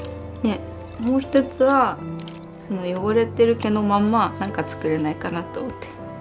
でもう一つはその汚れてる毛のまんまなんか作れないかなと思って。